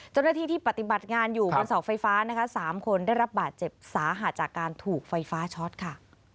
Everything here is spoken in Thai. เจ้าหน้าที่ที่ปฏิบัติงานอยู่บนเสาไฟฟ้านะคะ๓คนได้รับบาดเจ็บสาหัสจากการถูกไฟฟ้าช็อตค่ะ